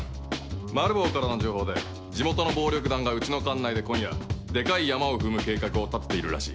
マルボウからの情報で地元の暴力団がうちの管内で今夜デカいヤマを踏む計画を立てているらしい。